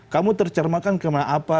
kamu tercermakan kemana apa